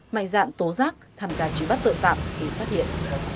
mạnh dạng tố giác tham gia truy bắt tội phạm khi phát hiện